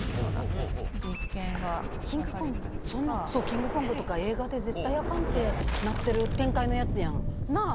『キングコング』とか映画で絶対アカンってなってる展開のやつやんなぁ？